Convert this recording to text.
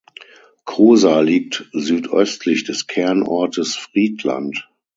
Cosa liegt südöstlich des Kernortes Friedland.